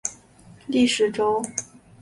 历史轴。